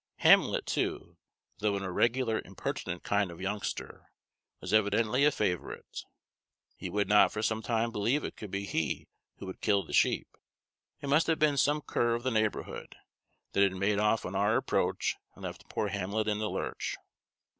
Hamlet, too, though an irregular, impertinent kind of youngster, was evidently a favorite. He would not for some time believe it could be he who had killed the sheep. It must have been some cur of the neighborhood, that had made off on our approach and left poor Hamlet in the lurch.